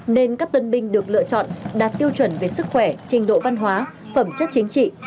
nên các tân binh được lựa chọn đạt tiêu chuẩn về sức khỏe trình độ văn hóa phẩm chất chính trị